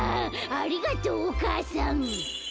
ありがとうお母さん」。